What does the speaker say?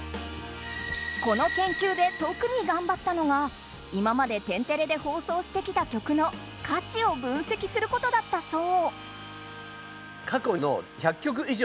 この研究でとくにがんばったのが今まで「天てれ」で放送してきた曲の歌詞を分析することだったそう。